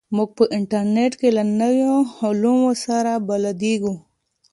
موږ په انټرنیټ کې له نویو علومو سره بلدېږو.